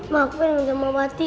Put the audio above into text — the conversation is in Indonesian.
mak aku yang udah mau mati